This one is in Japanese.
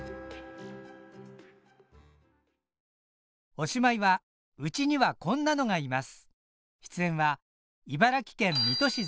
おしまいは「うちにはこんなのがいます」